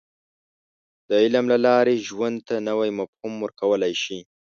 • د علم له لارې، ژوند ته نوی مفهوم ورکولی شې.